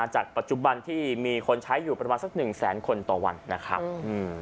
จากปัจจุบันที่มีคนใช้อยู่ประมาณสักหนึ่งแสนคนต่อวันนะครับ